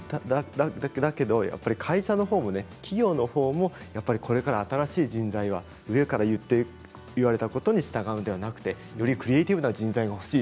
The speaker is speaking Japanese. だけど企業のほうも、これから新しい人材は上から言われたことに従うのではなくてよりクリエーティブな人材が欲しい。